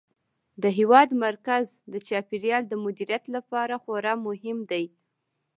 د هېواد مرکز د چاپیریال د مدیریت لپاره خورا مهم دی.